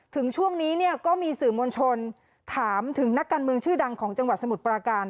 ช่วงนี้เนี่ยก็มีสื่อมวลชนถามถึงนักการเมืองชื่อดังของจังหวัดสมุทรปราการ